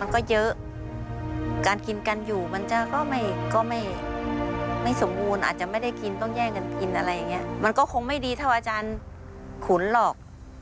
มันก็คงไม่ดีเท่าอาจารย์ขุนหรอก